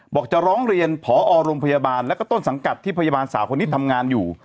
บอกจะร้องเรียนพอโรงพยาบาลแล้วก็ต้นสังกัดที่พยาบาลสาวคนนี้ทำงานอยู่